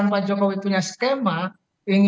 tetapi pak jokowi dia sudah seperti rumah sendiri